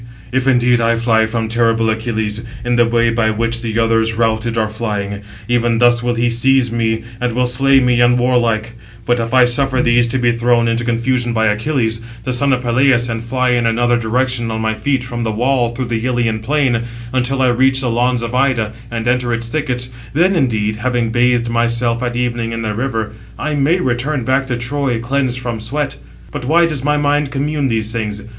if indeed I fly from terrible Achilles, in the way by which the others, routed, are flying, even thus will he seize me, and will slay me unwarlike; but if I suffer these to be thrown into confusion by Achilles, the son of Peleus, and fly in another direction on my feet from the wall through the Ilian plain, until I reach the lawns of Ida, and enter its thickets; then indeed, having bathed myself at evening in the river, I may return back to Troy, cleansed from sweat. But why does my mind commune these things?